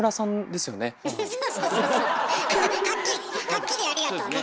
はっきりありがとうね。